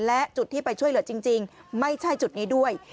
และจุดที่ไปช่วยเหลือจริงไม่ใช่จุดนี้ด้วย